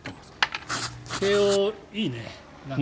慶応、いいね。